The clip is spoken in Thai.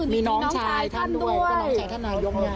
มีน้องชายท่านรากยกดเหยา